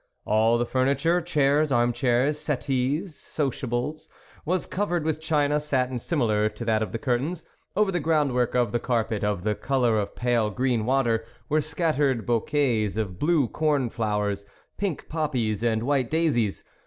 All the furniture, chairs, armchairs, settees, sociables, was covered with China satin similiar to that of the curtains ; over the groundwork of the carpet, of the colour of pale green water, were scattered bouquets of blue corn flowers, pink poppies, and white daisies.